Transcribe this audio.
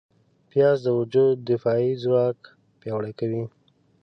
پیاز د وجود دفاعي ځواک پیاوړی کوي